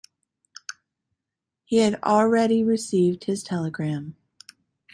He had already received his telegram.